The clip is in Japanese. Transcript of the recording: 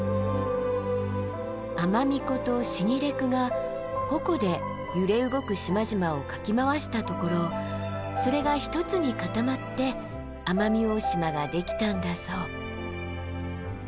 アマミコとシニレクが矛で揺れ動く島々をかき回したところそれが一つに固まって奄美大島ができたんだそう。